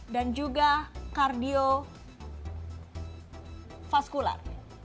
dan juga kardiofaskular